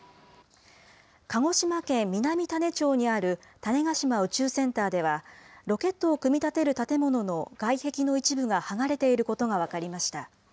鹿児島県南種子町にある種子島宇宙センターではロケットを組み立てる建物の外壁の一部がはがれていることが分かりました。